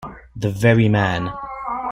The very man.